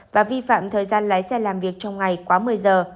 và vi phạm thời gian lái xe làm việc trong ngày quá một mươi giờ